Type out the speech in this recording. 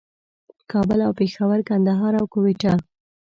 کابل او پېښور، کندهار او کوټه